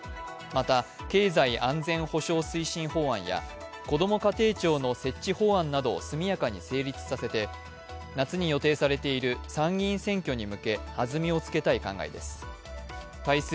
また、経済安全保障推進法案やこども家庭庁の設置法案などを速やかに成立させて、夏に予定されている参議院選挙に向けて弾みをつけたい考えです。